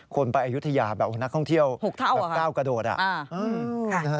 คนไปอายุทยาแบบนักท่องเที่ยวแบบก้าวกระโดดอ่ะ